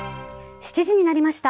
７時になりました。